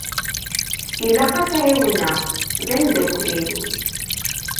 Ilaq ad t-ɛiwneɣ, d ameddakel-iw.